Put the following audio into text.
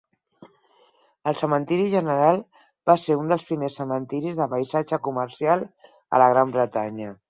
El Cementiri General va ser un dels primers cementiris de paisatge comercial a la Gran Bretanya.